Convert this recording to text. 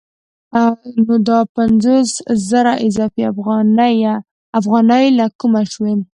نو دا پنځوس زره اضافي افغانۍ له کومه شوې